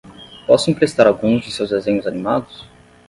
Posso emprestar alguns de seus desenhos animados?